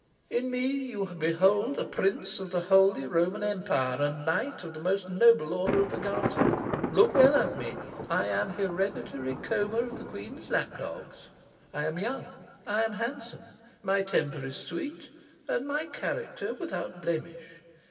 In me you behold a Prince of the Holy Roman Empire, and a Knight of the Most Noble Order of the Garter. Look well at me! I am Hereditary Comber of the Queen's Lap Dogs. I am young. I am handsome. My temper is sweet, and my character without blemish.